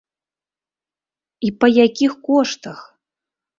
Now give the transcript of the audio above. І па якіх коштах!